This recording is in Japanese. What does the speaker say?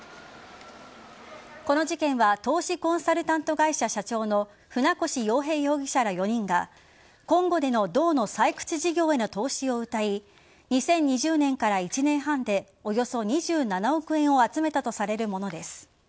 この事件は投資コンサルタント会社社長の船越洋平容疑者ら４人がコンゴでの銅の採掘事業への投資をうたい２０２０年から１年半でおよそ２７億円を集めたとされるものです。